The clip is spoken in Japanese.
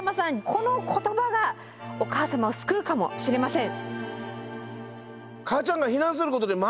この言葉がお母様を救うかもしれません。